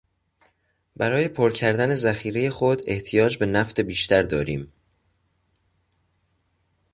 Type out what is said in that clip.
برای پر کردن ذخیرهی خود احتیاج به نفت بیشتر داریم.